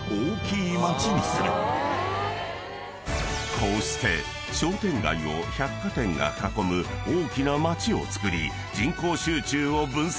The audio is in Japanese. ［こうして商店街を百貨店が囲む大きな街をつくり人口集中を分散］